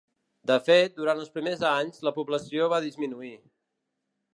De fet, durant els primers anys, la població va disminuir.